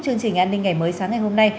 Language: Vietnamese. chương trình an ninh ngày mới sáng ngày hôm nay